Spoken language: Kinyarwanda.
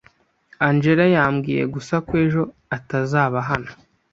Angella yambwiye gusa ko ejo atazaba hano.